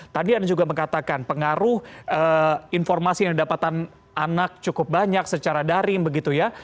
tadi anda juga mengatakan pengaruh informasi yang didapatkan anak cukup banyak secara daring begitu ya